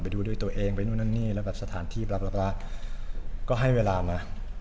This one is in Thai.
ดูด้วยตัวเองไปนู่นนั่นนี่แล้วแบบสถานที่รักก็ให้เวลามา